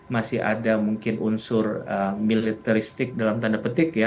masih ada mungkin unsur militaristik dalam tanda petik ya